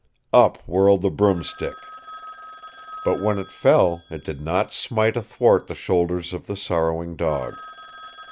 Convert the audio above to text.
Up whirled the broomstick. But when it fell it did not smite athwart the shoulders of the sorrowing dog.